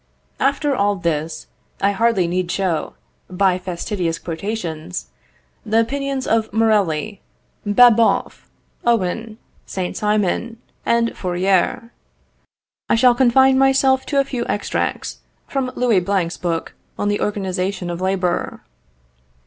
After all this, I hardly need show, by fastidious quotations, the opinions of Morelly, Babeuf, Owen, Saint Simon, and Fourier. I shall confine myself to a few extracts from Louis Blanc's book on the organisation of labour.